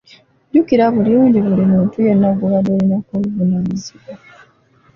Jukira bulungi buli muntu yenna gw'obadde olinako obuvunaanyizibwa.